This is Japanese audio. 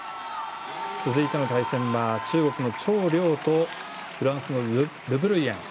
続いての対戦は中国の張亮とフランスのルブルイェン。